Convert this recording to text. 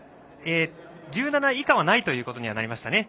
１７以下はないということになりましたね。